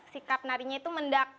sikap narinya itu mendak